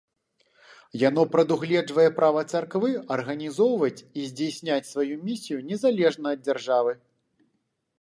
Яно прадугледжвае права царквы арганізоўваць і здзейсняць сваю місію незалежна ад дзяржавы.